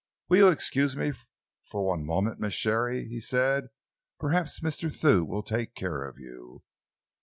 "Will you excuse me for one moment, Miss Sharey?" he said. "Perhaps Mr. Thew will take care of you."